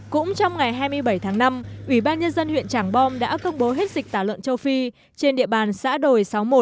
cũng trong ngày hai mươi bảy tháng năm ủy ban nhân dân huyện trảng bom đã công bố hết dịch tả lợn châu phi trên địa bàn xã đồi sáu mươi một